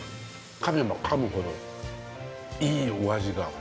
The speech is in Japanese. かめばかむほど、いいお味が。